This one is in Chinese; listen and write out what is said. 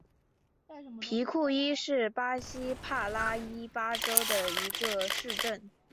皮库伊是巴西帕拉伊巴州的一个市镇。